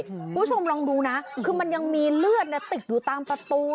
คุณผู้ชมลองดูนะคือมันยังมีเลือดติดอยู่ตามประตู